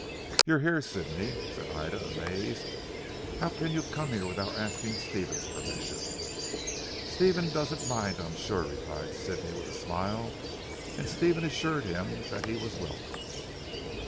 "You here Sidney?" said Ida amazed. "How can you come here without asking Stephen's permission?" "Stephen doesn't mind I'm sure," replied Sidney with a smile, and Stephen assured him that he was welcome.